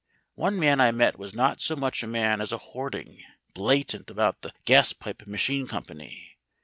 One man I met was not so much a man as a hoarding, blatant about the Gaspipe Machine Company.